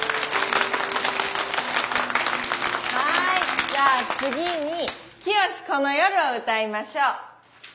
はいじゃあ次に「きよしこの夜」を歌いましょう。